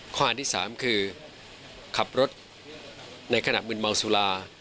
ข้อหาที่๓คือขับรถในขณะมืนเมาสุรา